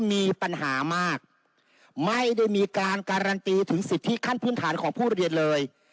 มีปัญหามากไม่ได้มีการการันตีถึงสิทธิขั้นพื้นฐานของผู้เรียนเลย